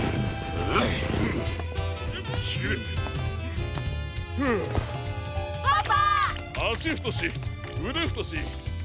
あしふとしうでふとしパピヨ！